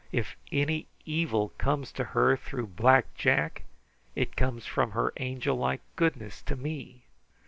If any evil comes to her through Black Jack, it comes from her angel like goodness to me.